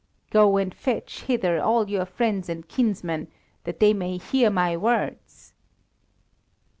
"Go and fetch hither all your friends and kinsmen, that they may hear my words!"